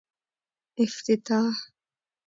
افتتاح